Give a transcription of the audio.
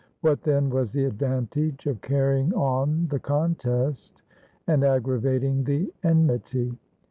What then was the advantage of carrying on the contest and aggravating the enmity